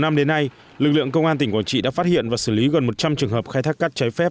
ngã ba gia độ sông thạch hãn tỉnh quảng trị luôn là điểm nóng về tình trạng khai thác cát sạn trái phép